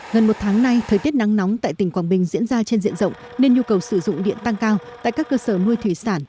gần một tháng nay thời tiết nắng nóng tại tỉnh quảng bình diễn ra trên diện rộng nên nhu cầu sử dụng điện tăng cao tại các cơ sở nuôi thủy sản